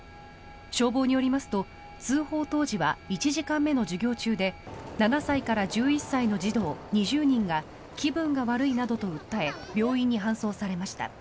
消防によりますと通報当時は１時間目の授業中で７歳から１１歳の児童２０人が気分が悪いなどと訴え病院に搬送されました。